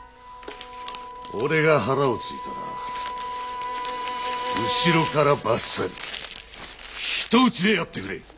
俺が腹を突いたら後ろからバッサリひと打ちでやってくれ。